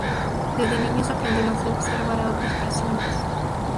Desde niños aprendemos de observar a otras personas.